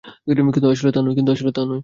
কিন্তু আসলে তা নয়।